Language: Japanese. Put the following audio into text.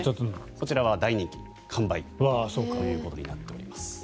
こちらは大人気で完売ということになっています。